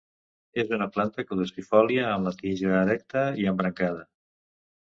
És una planta caducifòlia amb la tija erecta i embrancada.